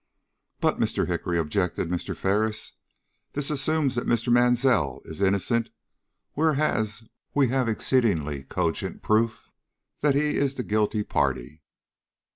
"But, Mr. Hickory," objected Mr. Ferris, "this assumes that Mr. Mansell is innocent, whereas we have exceedingly cogent proof that he is the guilty party.